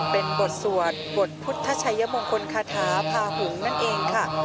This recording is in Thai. เป็นบทสวดบทพุทธชัยมงคลคาถาพาหงษ์นั่นเองค่ะ